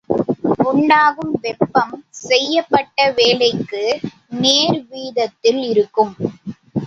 உண்டாகும் வெப்பம் செய்யப்பட்ட வேலைக்கு நேர்வீதத்தில் இருக்கும்.